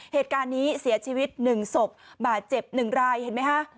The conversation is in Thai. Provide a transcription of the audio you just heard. เหตุการณ์นี้เสียชีวิตหนึ่งศพบาดเจ็บหนึ่งไรเห็นมั้ยคะ